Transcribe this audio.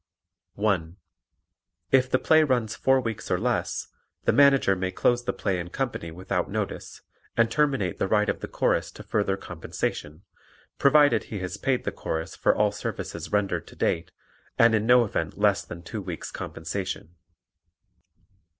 (1) If the play runs four weeks or less, the Manager may close the play and company without notice, and terminate the right of the Chorus to further compensation, provided he has paid the Chorus for all services rendered to date, and in no event less than two weeks' compensation.